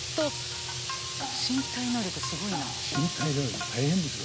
身体能力大変ですよ